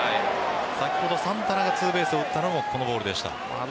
先ほどサンタナがツーベースを打ったのもこのボールでした。